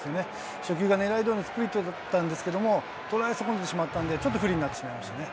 初球が狙いどおりのスプリットだったんですけど、捉え損ねてしまったんで、ちょっと不利になってしまいましたね。